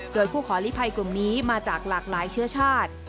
โดยผู้ขอลิภัยกลุ่มนี้มาจากหลากหลายเชื้อชาติ